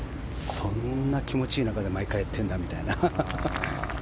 そんな気持ちいい中で毎回やってるんだって。